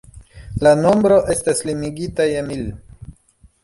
La nombro estas limigita je mil.